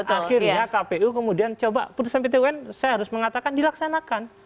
akhirnya kpu kemudian coba putusan pt un saya harus mengatakan dilaksanakan